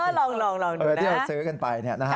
เออลองดูนะ